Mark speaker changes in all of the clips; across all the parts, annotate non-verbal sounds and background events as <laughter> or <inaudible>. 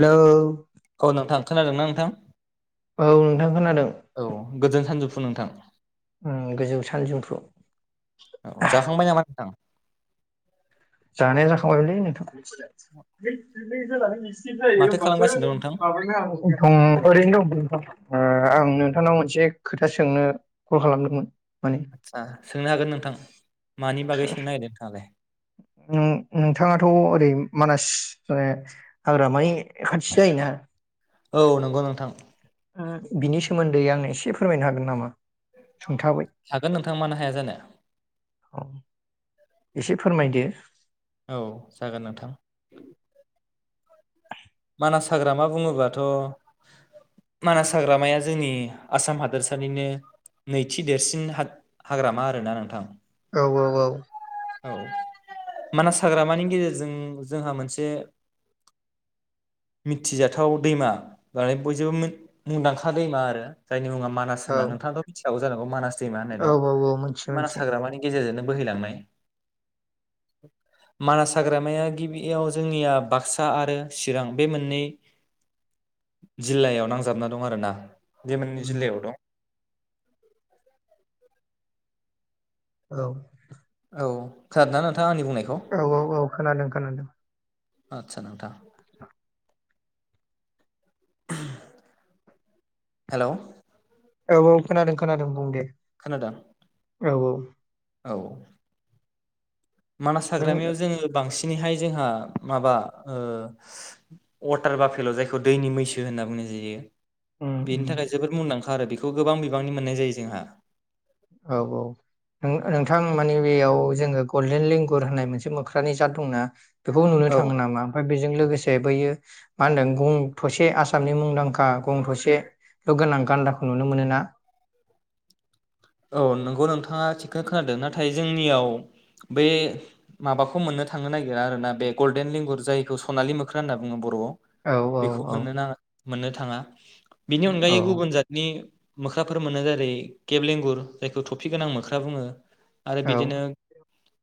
Speaker 1: Hello
Speaker 2: औ नोंथां खोनादों ना नोंथां
Speaker 1: औ नोंथां खोनादों
Speaker 2: खु नोंथां
Speaker 1: उम गोजौ सानजौफु
Speaker 2: औ जाखांबाय नामानोंथां
Speaker 1: जानाय जाखांबायलै नोंथा <inaudible> <inaudible> जायो
Speaker 2: माथो
Speaker 1: हनबासो
Speaker 2: खालामगासिनो दं नोंथां
Speaker 1: <inaudible> उम ओरैनो दं आं नोंथांनाव मोनसे खोथा सोंनो कल खालामदोंमोन माने
Speaker 2: आदसा सोंनो हागोन नोंथां मानि बागै सोंनो नागिरदों नोंथाङालाय
Speaker 1: नोंथाङाथ' ओरै मानास हाग्रामानि खाथि जायोना
Speaker 2: औ नंगौ नोंथां
Speaker 1: बिनि सोमोन्दै आंनो एसे फोरमायनो हागोन नामा सुंथाबै
Speaker 2: हागोन नोंथां मानो हाया जानो
Speaker 1: औ एसे फोरमायदो
Speaker 2: औ जागोन नोंथां मानास हाग्रामा बुङोबाथ' मानास हाग्रामाया जोंनि आसाम हादोरसानिनो नैथि देरसिन हाग्रामा आरोना नोंथां
Speaker 1: औ औ औ
Speaker 2: मानास हाग्रामानि गेजेरजों जोंहा मोनसे मिथिजाथाव दैमा माने बयजोंबो मुंदांखा दैमा आरो जायनि मुङा मानास
Speaker 1: औ
Speaker 2: होनना नोंथांथ' मिथिखागौ जानांगौ मानास दैमा होननाय
Speaker 1: औ
Speaker 2: दं
Speaker 1: औ औ मोनथियो
Speaker 2: मानास
Speaker 1: मोनथियो
Speaker 2: हाग्रामानि गेजेरजोंनो बोहैलांनाय मनास हाग्रामाया गिबियाव जोंनिया बागसा आरो चि रां बे मोननै जिल्लायाव नांजाबना दं आरो ना। बे माननै जिल्लायाव दं। <unintelligible>
Speaker 1: औ
Speaker 2: औ खारना न
Speaker 1: औ औ औ खोनादों खोनादों
Speaker 2: आदसा नोंथां
Speaker 1: <inaudible>
Speaker 2: हेलौ
Speaker 1: औ औ खोनादों खोनादों बुं दे
Speaker 2: खोनादों
Speaker 1: औ औ
Speaker 2: औ मानास
Speaker 1: नों
Speaker 2: हाग्रामायाव जोङो बांसि बिनिहाय जोंहा माबा ओ वाटार बाफेलाव जायखौ दैनि मैसो होनना बुंनाय जायो।
Speaker 1: उम उम
Speaker 2: बेनि थाखाय जोबोद मुंदांखा आरो बे खौ गोबां बिबांनि मोननाय जायो जोंहा
Speaker 1: औ औ नों नोंथां माने बेयाव जोङो गल्डेन लेंगुर होननाय मोनसे मोख्रानि जात दंना? बेखौ नुनो
Speaker 2: औ
Speaker 1: थाङो नामा ओमफाय बेजों लोगोसे जे बैयो मा होनदों गं थसे आसामनि मुंदांखा गं थसेल गोनां गान्दाखौ नुनो मोनोना?
Speaker 2: औ नोंगौ नोंथाङा थिगखोनो खोनादों नाथाय जोंनियाव बै माबाखौ मोननो थांनो नागिरा आरोना बे गल्डेन लेंंगुर जायखौ सनालि मोख्रा होनना बुङो बरआव।
Speaker 1: औ औ
Speaker 2: बेखौ
Speaker 1: औ
Speaker 2: मोननो नाङा मोननो थाङा बेनि
Speaker 1: औ
Speaker 2: अनगायै गुबुन जातनि मोख्राफोर मोनो जेरै केेब लेंगुर जायखौ टफि गोनां मोख्रा बुङो। आरो बिदिनो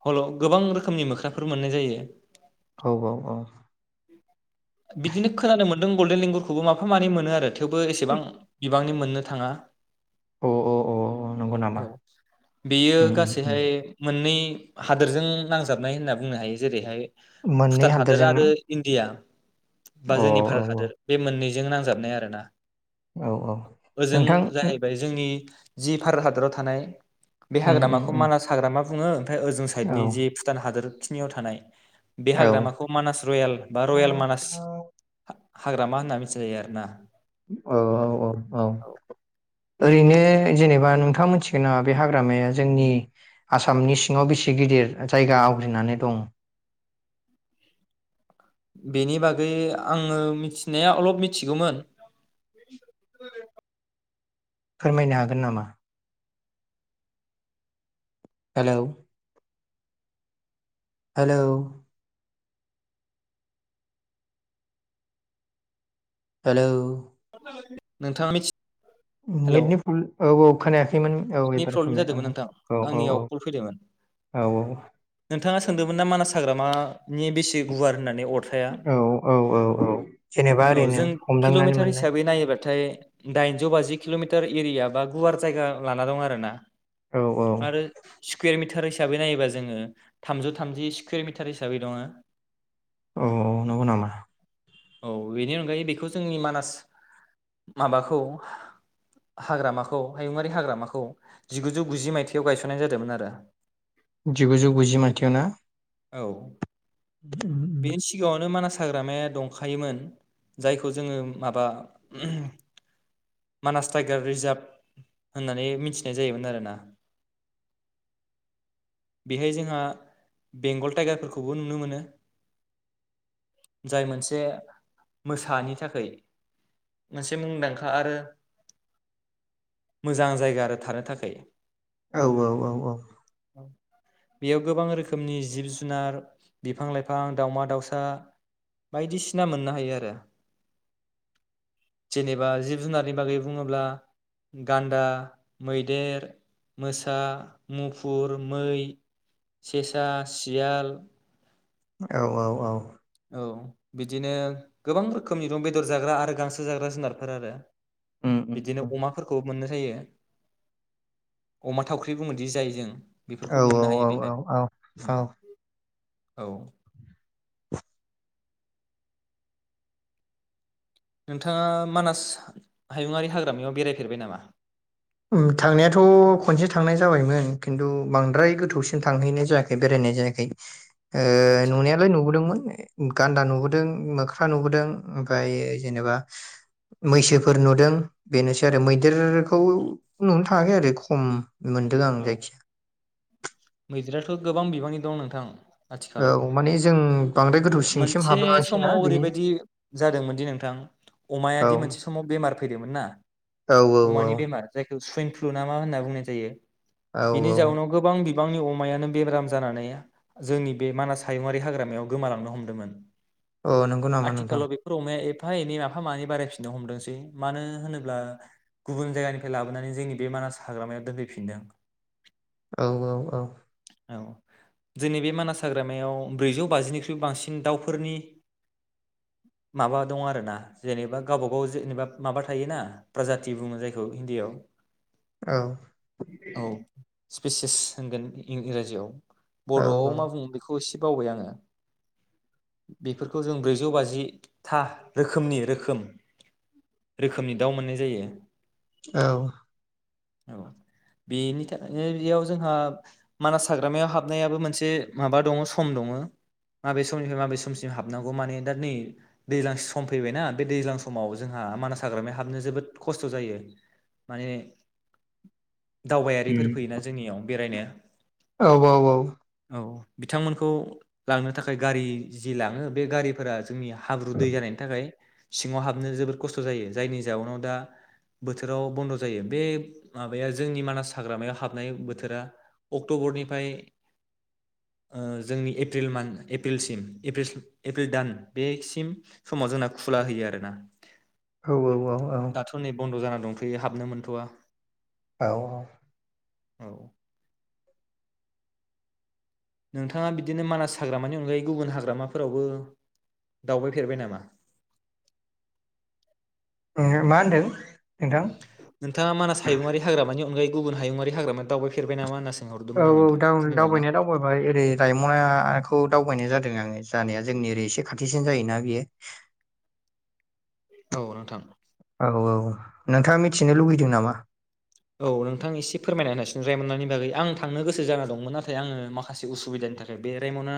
Speaker 2: हल गोबां रोखोमनि मोख्राफोर मोननाय जायो।
Speaker 1: औ औ औ
Speaker 2: बिदिनो खोनानो मोन्दों गल्डेन लेंगुरखौबो माफा मानै मोनो आरो थेवबो एसेबां बिब बांनि मोननो थाङा
Speaker 1: अ अ अ नंगौ
Speaker 2: औ
Speaker 1: नामा
Speaker 2: बेयो
Speaker 1: उम उम उम
Speaker 2: गासैहाय मोननै हादोरजों नांजाबनाय होनना बुंनो हायो जेरैहाय
Speaker 1: मोननै
Speaker 2: फुटान हादोर
Speaker 1: हादोरजोंनो
Speaker 2: आरो इण्डिया
Speaker 1: अ
Speaker 2: बा
Speaker 1: औ
Speaker 2: जोंनि भारोत
Speaker 1: औ
Speaker 2: हादोर बे मोननै जों नांजाबनाय आरो ना
Speaker 1: औ औ
Speaker 2: ओजों
Speaker 1: नोंथां
Speaker 2: जाहैबाय जोंनि जि भारत हादराव थानाय बे
Speaker 1: उम उम
Speaker 2: हाग्रामाखौ
Speaker 1: उम
Speaker 2: मानास हाग्रामा बुङो ओमफाय ओजों
Speaker 1: औ
Speaker 2: साइदनि जे भुटान हादोर सिमायाव थानाय बे
Speaker 1: औ
Speaker 2: हाग्रामाखौ मानास रयेल बा
Speaker 1: औ
Speaker 2: रयेल मानास हाग्रामा होनना मिथिनाय जायो आरोना
Speaker 1: औ औ औ औ ओरैनो जेनेबा नोंथाङा मोनथिगोन ना बे हाग्रामाया जोंनि आसामनि सिङाव बेसे गिदिर जायगा आवग्रिनानै दं?
Speaker 2: बेनि बागै आङो मिथिनाया अलप मिथिगौमोन
Speaker 1: फोरमायनो हागोन नामा? हेलौ हेलौ हेलौ
Speaker 2: <inaudible> नोंथाङा मिथि हेलौ
Speaker 1: नेदनि प्रब्लेम- औ औ खोनाया खैमोन औ
Speaker 2: नेट
Speaker 1: एबार
Speaker 2: प्रब्लेम
Speaker 1: खोमाया
Speaker 2: जादोंमोन नोंथां
Speaker 1: औ औ
Speaker 2: आंनियाव
Speaker 1: औ
Speaker 2: कल फैदोंमोन
Speaker 1: औ औ
Speaker 2: नोंथाङा सोंदोंमोन ना मानास हाग्रामानि बेसे गुवार होननानै अरथाया
Speaker 1: औ औ औ औ जेनेबा
Speaker 2: औ
Speaker 1: ओरैनो
Speaker 2: जों
Speaker 1: हमदांनानै
Speaker 2: किल'मिटार
Speaker 1: मोननाय
Speaker 2: हिसाबै नायोबाथाय दाइनजौ बाजि किलमिटार एरिया बा गुवार जायगा लाना दं आरो ना
Speaker 1: औ
Speaker 2: आरो सि कुवेर मिथार हिसाबै नायोबा जोङो थामजौ थामजि स्कुवेर मिथार हिसाबै दङ
Speaker 1: औ नंगौ नामा
Speaker 2: औ बेनि अनगायै बेखौ जोंनि मानास माबाखौ हाग्रामाखौ हायुङारि हाग्रामा खौ जिगुजौ गुजि माइथायाव गायसननाय जादोंमोन आरो
Speaker 1: जिगुजौ गुजि माइथायावना?
Speaker 2: औ बेनि सिगाङावनो मानास हाग्रामाया दंखायोमोन जायखौ जोङो माबा मानास टाइगार रिजार्भ होननानै मिथिनाय जायोमोन आरोना। बेहाय जोंहा बेंगल टाइगारफोरखौबो नुनो मोनो जाय मोनसे मोसानि थाखै मोनसे मुंदांखा आरो मोजां जायगा आरो थानो थाखै।
Speaker 1: औ औ औ औ।
Speaker 2: बेयाव गोबां रोखोमनि जिब जुनार बिफां लाइफां दाावमा दाउसा बायदिसिना मोननो हायो आरो जेनेबा जिब जुनारनि बागै बुङोब्ला गान्दा, मैदेर, मोसा, मुफुर, मै, सेसा, सियाल।
Speaker 1: औ औ औ।
Speaker 2: औ बिदिनो गोबां रोखोमनि दं बेदर जाग्रा आरो गांसो जाग्रा जुनारफोर आरो।
Speaker 1: उम उम उम
Speaker 2: बिदिनो अमाफोरखौ मोननो जायो अमा थावख्रि बुङोदि जाय जों
Speaker 1: औ
Speaker 2: बेफोरखौ मोननो
Speaker 1: औ
Speaker 2: हायो बेहाय
Speaker 1: औ औ औ
Speaker 2: उम। औ। नोंथाङा मानास हायुङारि हाग्रामायाव बेरायफेरबाय नामा?
Speaker 1: उम थांनायाथ खनसे थांनाय जाबायमोन खिन्थु बांद्राय गोथौसिन थांहैनाय जायाखै बेरायनाय जायाखै। ओ
Speaker 2: आदसा
Speaker 1: नुनायालाय नुबोदोंमोन। गान्दा नुबोदों मोख्रा नुबोदों ओमफायो जेनेबा मैसोफोर नुदों बेनोसै आरो मैदेर खौ नो थाङाखै आरो खम। मोनदों आं
Speaker 2: औ
Speaker 1: जायखिया।
Speaker 2: थ गोबां बिबांनि दं नोंथां।
Speaker 1: औ
Speaker 2: आथिखालाव
Speaker 1: माने जों बांद्राय
Speaker 2: औ
Speaker 1: गोथौ सिंसिम
Speaker 2: मोनसे
Speaker 1: हाबलाङासैना
Speaker 2: समाव
Speaker 1: बिनि
Speaker 2: ओरैबायदि जादोंमोनदि नोंथां
Speaker 1: औ
Speaker 2: अमायादि मोनसे समाव बेमार फैदोंमोन ना
Speaker 1: औ औ
Speaker 2: अमानि बेमार जाय बे सुवेइन फ्लु ना मा होनना बुंनाय जायो?
Speaker 1: औ औ
Speaker 2: बिनि जाउनाव गोबां बि बिबांनि अमायानो बेब्राम जानानै जोंनि बे मानास हायुङरि हाग्रामायाव गोमालांनो हमदोंमोन।
Speaker 1: अ नोंगौ नामा नोंथां?
Speaker 2: आथिखालाव बेफोर अमाया एफा एनै माफा मानै बारायफिननो हमदोंसै मानो होनोब्ला गुबुन जायगानिफ्राय लाबोनानै जोंनि बे मानास हाग्रामायाव दोनफैफिनदों।
Speaker 1: औ औ औ।
Speaker 2: औ जोंनि बे मानास हाग्रामायाव ब्रैजौ बाजिनिख्रुइ बांसिन दावफोरनि माबा दङ आरोना जेनेबा गावबा गाव जेनेबा माबा थायोना प्रजाथि बुङो जायखौ हिन्दीआव
Speaker 1: औ।
Speaker 2: औ। स्पेसिस होनगोन इं-इंराजियाव।
Speaker 1: औ
Speaker 2: बर'आव मा बुङो बेखौ एसे बावबाय आङो बेफोरखौ जों ब्रैजौ बाजिथा रोखोमनि रोखोम रोखोमनि दाउ मोननाय जायो।
Speaker 1: औ।
Speaker 2: औ। बेनि थाखायनो बेयाव जोंहा मानास हाग्रामायाव हाबनायाबो मोनसे माबा दङ सम दङो माबे समनिफ्राय माबे समसिम हाबनांगौ माने दा नै दैज्लां सम फैबायना बे दैज्लां समाव जोंहा मानास हाग्रामायाव हाबनो जोबोद खस्थ जायो माने दावबायारिफोर
Speaker 1: उम
Speaker 2: फैयोना जोंनियाव बेरायनो
Speaker 1: औ
Speaker 2: औ। बिथांमोनखौ लांनो थाखाय गारि जि लाङो बे गारिफोरा जोंनि हाब्रु दै जानायनि थाखाय सिङाव हाबनो जोबोद खस्थ जायो जायनि जाउनाव दा बोथोराव बन्द जायो बे माबाया जोंनि मानास हाग्रामायाव हाबनाय बोथोरा अक्ट'बरनिफ्राय ओ जोंनि एप्रिल मान्त एप्रिलसिम एप्रिलस-एप्रिल दान बेसिम समाव जोंना खुला होयो आरोना।
Speaker 1: औ औ औ औ।
Speaker 2: दाथ' नै बन्द' जाना दंथयो हाबनो मोनथ'आ।
Speaker 1: औ औ औ।
Speaker 2: औ। नोंथाङा बिदिनो मानास हाग्रामानि अनगायै गुबुन हाग्रामाफोरावबो दावबायफेरबाय नामा?
Speaker 1: मा होनदों? नोंथां
Speaker 2: नोंथाङा मानास हायुंङारि हाग्रामानि अनगायै गुबुन हायुंङारि हाग्रामा दावबायफेरबाय नामा होना सों
Speaker 1: औ औ दाव-दावबायनाया दावबायबाय ओरै रायमनाखौ दावबायनाय जादों आंङो जानाया। जोंनि ओरै एसे खाथिसिन जायोना बियो।
Speaker 2: औ नोंथां।
Speaker 1: औ औ नोंथाङा मिथिनो लुबैदों नामा?
Speaker 2: औ नोंथां एसे फोरमायना होनाय रायम'नानि बागै आं थांनो गोसो जाना दंमोन नाथाय आंङो माखासे उसुबिदानि थाखाय बे रायमना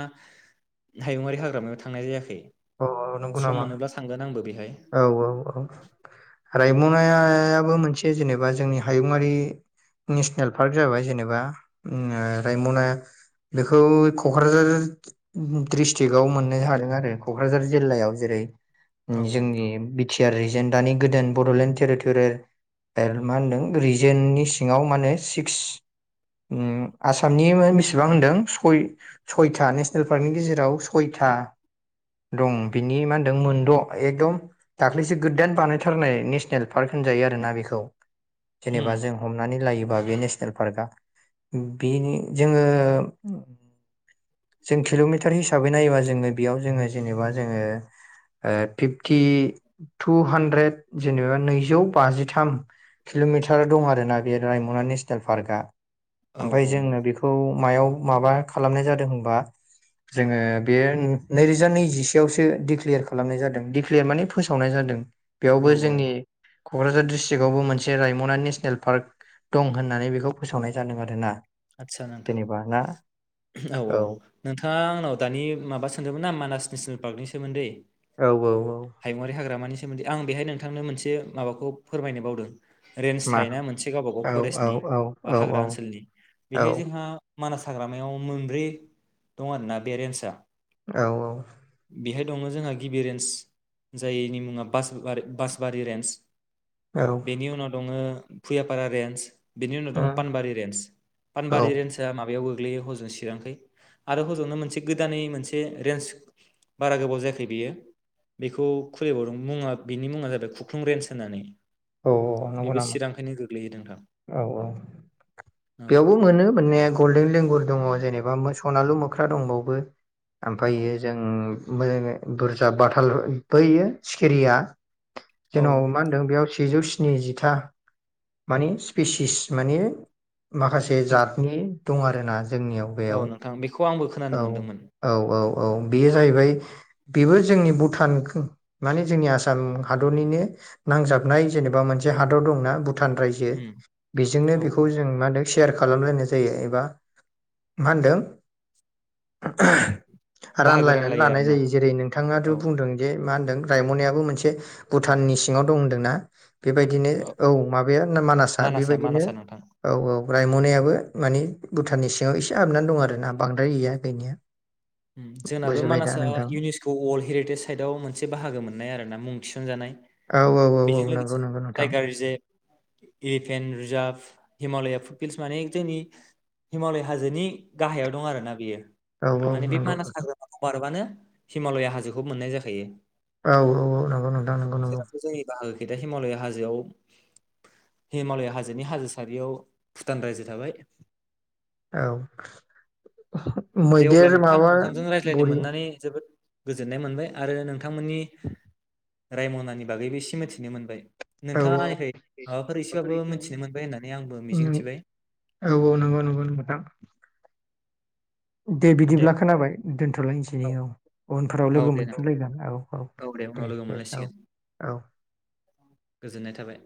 Speaker 2: हायुङारि हाग्रामायाव थांनाय जायाखै।
Speaker 1: औ औ नंगौ
Speaker 2: सम
Speaker 1: नामा?
Speaker 2: मोनोब्ला थांगोन आंबो बेहाय
Speaker 1: औ औ औ रायमनायाबो मोनसे जेनेबा जोंनि हायुङारि नेसनेल पार्क जाबाय जेनेबा ओ रायमना बेखौ क'क्राझार दिसत्रिखआव मोननो हादों आरो। क'क्राझार जिल्लायाव जेरै
Speaker 2: औ
Speaker 1: जोंनि बिथि आर एजेनदानि गोदान बड'लेण्ड टेरिट'रियेल ओ मा होनदों रिजोननि सिङाव मा होनो सिक्स उम आसामनि बेसेबां होनदों सय-सयथा नेसनेल पार्कनि गेजेराव सयथा दं बिनि मा होनदों मोनद' एकदम दाख्लैसो गोदान बानायथारनाय नेसनेल पार्क होनजायो आरोना बेखौ।
Speaker 2: होम
Speaker 1: जेनेबा जों हमनानै लायोबा बे नेसनेल पार्कआ बिनि जोंङो जों किल'मिटार हिसाबै नायोबा जोंङो बेयाव जोंङो जेनेबा जोंङो फिपटि टु हान्द्रेद जेनेबा नैजौ बाजिथाम किल'मिटार दं आरोना बे रायमना नेसनेल पार्कआ।
Speaker 2: औ
Speaker 1: ओमफ्राय
Speaker 2: औ
Speaker 1: जोंनो बेखौ मायाव माबा खालामनाय जादों होनबा जोंङो बे नैरोजा नै जिसेआवसो दिक्लियार खालामनाय जादों दिक्लियार माने फोसावनाय जादों।
Speaker 2: औ
Speaker 1: बेयावबो जोंनि
Speaker 2: औ
Speaker 1: क'क्राझार डिस्ट्रिकआवबो मोनसे रायम'ना नेसनेल पार्क दं होननानै बेखौ फोसावनाय जादों आरो ना।
Speaker 2: आदसा नोंथां औ औ नोंथाङा आंनाव दानि माबा सोंदोंमोन ना मानास नेसनेल पार्कनि सोमोन्दै।
Speaker 1: औ औ औ ‌‌।
Speaker 2: हायुङारि हाग्रामानि सोमोन्दै आं बेहाय नोंथांनो मोनसे माबाखौ फोरमायनो बावदों। रेन्स
Speaker 1: मा
Speaker 2: थायोना मोनसे गावबा गाव
Speaker 1: औ औ
Speaker 2: फरेस्टनि
Speaker 1: औ
Speaker 2: बा
Speaker 1: औ
Speaker 2: हाग्रा ओनसोलनि।
Speaker 1: औ
Speaker 2: बेहाय जोंहा मानास हाग्रामायाव मोनब्रै दं आरोना बे रेन्सआ।
Speaker 1: औ औ।
Speaker 2: दंङो जोंहा गिबि रेन्ज जायनि मुङा बासाबारि बासबारि रेन्ज।
Speaker 1: औ
Speaker 2: बेनि उनाव दङो फुयापारा रेन्ज बेनि उनाव दं
Speaker 1: उम
Speaker 2: पानबारि रेन्ज
Speaker 1: औ
Speaker 2: पानबारि रेन्जआ माब बायाव गोग्लैयो हजों चिरांखै आरो हजोंनो मोनसे गोदानै मोनसे रेन्स बारा गोबाव जायाखै बेयो बेखौ खुलिबावदों मुङा बिनि मुङा जाबाय खुख्लुं रेन्स होननानै
Speaker 1: औ नंगौ
Speaker 2: बेबो
Speaker 1: नामा
Speaker 2: चिरांखैनो गोग्लैयो नोंथां।
Speaker 1: औ औ
Speaker 2: औ
Speaker 1: बेयावबो मोनो मोननाया गल्डेन लेंगुर दङ जेनेबा मो सनालु म खारं बावबो
Speaker 2: औ
Speaker 1: ओमफायो जों मोजाङै बुरजा बाथाल बैयो सिखिरिया
Speaker 2: औ
Speaker 1: जेननाव मा होनदों बेयाव सि सेजौ स्निजिथा माने स्पेसिस माने माखासे जातनि दं आरोना? जोंनियाव
Speaker 2: औ
Speaker 1: बेयाव
Speaker 2: नोंथां बेखौ आंबो खोनानो
Speaker 1: औ
Speaker 2: मोनदोंमोन
Speaker 1: औ औ औ बेयो जाहैबाय बेबो जोंनि भुटान ओ माने जोंनि आसाम हादरनिनो नांजाबनाय जेनेबा मोनसे हादर दंना बु भुटान राज्यो
Speaker 2: उम,
Speaker 1: बेजोंनो
Speaker 2: औ
Speaker 1: बेखौ
Speaker 2: औ
Speaker 1: जों सेयार खालामलायनाय जायो एबा मा होनदों
Speaker 2: बाहागो
Speaker 1: रानलायनानै
Speaker 2: रानलायो
Speaker 1: लानाय
Speaker 2: आरोना
Speaker 1: जायो जेरै नोंथाङाथ
Speaker 2: औ
Speaker 1: बुंदों जे मा होनदों रायम'नायाबो मोनसे भुटाननि सिङाव दं होनदोंना? बेबायदिनो औ माबाया ना मानासा
Speaker 2: मानासआ
Speaker 1: बेबायदिनो
Speaker 2: मानासआ नोंथां
Speaker 1: औ औ रायम'नायाबो माने भुटाननि सिङाव इसे ए हाबनानै दं
Speaker 2: औ
Speaker 1: आरो ना बांद्राय गैया। बेनिया
Speaker 2: उम जोंनाबो मानासआ इउनिस्क' वर्ल्ड हेरिटेज साइटआव मोनसे बाहागो मोननाय आरो ना मुं थिसनजानाय।
Speaker 1: औ औ औ औ नंगौ नंगौ नोंथां।
Speaker 2: इफेन्ट रिजार्भ हिमालया फुटफिल्स माने जोंनि हिमालय हाजोनि गाहायाव दं आरोना बेयो।
Speaker 1: औ औ
Speaker 2: माने बे
Speaker 1: नंगौ
Speaker 2: मानास
Speaker 1: नोंथां
Speaker 2: हाग्रामाखौ बारबानो हिमालया हाजोखौबो मोननाय जाखायो।
Speaker 1: औ औ औ नंगौ नोंथां नंगौ नंगौ।
Speaker 2: जेरावथ' <unintelligible> हिमालया हाजोआव हिमालया हाजोनि हाजो सारियाव भुटान राज्यो थाबाय।
Speaker 1: औ
Speaker 2: दे अब्ला नोंथां नोंथांजों रायज्लायनो
Speaker 1: बुरि
Speaker 2: मोननानै जोबोद गोजोन्नाय मोनबाय आरो नों थांमोननि रायमनानि बागैबो एसे मिथिनो मोनबाय।
Speaker 1: औ औ
Speaker 2: नोंथाङा आंनिफ्राय माबाफोर
Speaker 1: उम
Speaker 2: एसेबाबो मिथिनो मोनबाय होननानै आंबो मिजिंथिबाय
Speaker 1: औ नंगौ नंगौ नोंथां। दे बिदिब्ला खोनाबाय दोनथ'लायनोसै औ। उनफोराव
Speaker 2: औ
Speaker 1: लोगो
Speaker 2: दे नोंथां
Speaker 1: मोनफुंलायगोन औ औ दे
Speaker 2: उनाव लोगो
Speaker 1: दे औ
Speaker 2: मोनलायसिगोन
Speaker 1: औ।
Speaker 2: गोजोननाय थाबाय